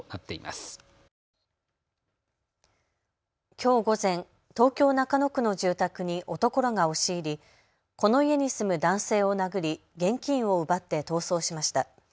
きょう午前、東京中野区の住宅に男らが押し入り、この家に住む男性を殴り現金を奪って逃走しました。